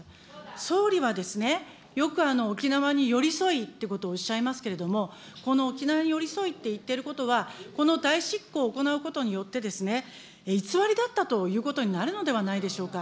総理はよく沖縄に寄り添いっていうことをおっしゃいますけれども、この沖縄に寄り添いって言ってることは、この代執行を行うことによってですね、偽りだったということになるのではないでしょうか。